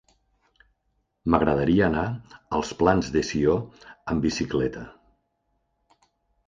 M'agradaria anar als Plans de Sió amb bicicleta.